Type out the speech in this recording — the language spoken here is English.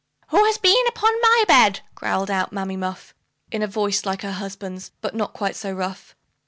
"WHO HAS BEEN UPON MY BED?" growled out Mammy Muff, In a voice like her husband's, but not quite so rough.